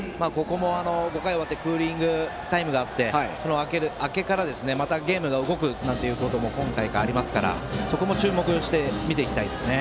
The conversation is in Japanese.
５回終わってクーリングタイムがあってその明けからゲームが動くことも今大会ありますからそこも注目していきたいですね。